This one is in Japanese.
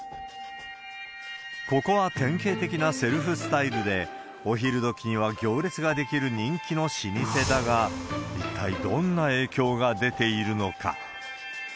ここは典型的なセルフスタイルで、お昼時には行列が出来る人気の老舗だが、一体どんな影響が出ているのか。